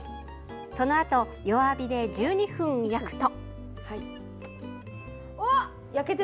そのあと弱火で１２分焼くと。